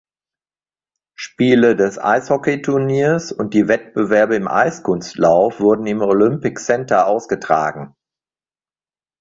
Spiele des Eishockeyturniers und die Wettbewerbe im Eiskunstlauf wurden im Olympic Center ausgetragen.